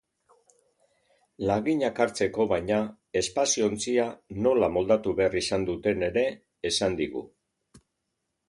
Laginak hartzeko baina, espazio-ontzia nola moldatu behar izan duten ere esan digu.